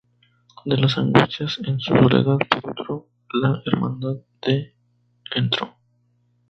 De las Angustias en su Soledad, por otro, la hermandad de Ntro.